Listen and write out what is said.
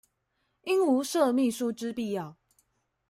應無設秘書之必要